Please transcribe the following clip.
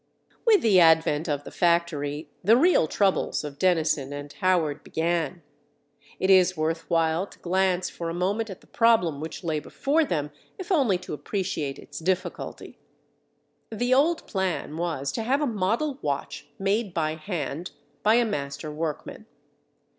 With the advent of the factory, the real troubles of Dennison and Howard began. It is worth while to glance for a moment at the problem which lay before them, if only to appreciate its difficulty. The old plan was to have a model watch made by hand by a master workman.